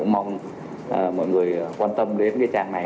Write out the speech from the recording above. mọi người quan tâm đến trang này